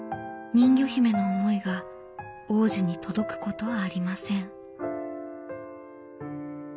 人魚姫の思いが王子に届くことはありません。